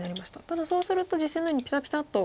ただそうすると実戦のようにピタピタッと。